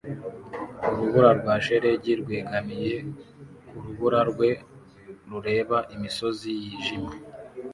urubura rwa shelegi rwegamiye ku rubura rwe rureba imisozi yijimye